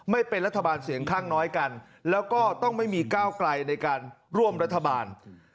ไม่เป็นรัฐบาลเสียงข้างน้อยกันแล้วก็ต้องไม่มีก้าวไกลในการร่วมรัฐบาล